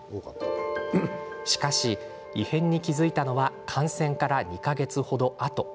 しかし、異変に気付いたのは感染から２か月程あと。